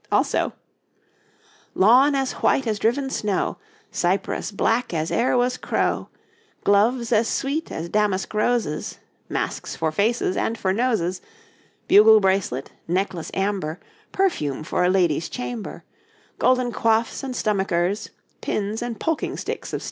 Also: 'Lawn as white as driven snow; Cyprus[B] black as ere was crow; Gloves as sweet as damask roses; Masks for faces and for noses; Bugle bracelet, necklace amber, Perfume for a lady's chamber; Golden quoifs and stomachers, Pins and polking sticks of steel.'